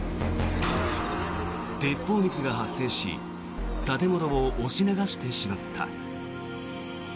鉄砲水が発生し建物を押し流してしまった。